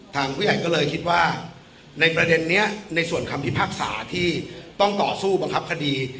ทางผู้ใหญ่ก็เลยคิดว่าในประเด็นนี้ในส่วนคำพิพากษาที่ต้องต่อสู้บังคับคดี